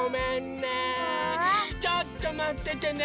ちょっとまっててね。